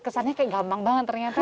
kesannya kayak gampang banget ternyata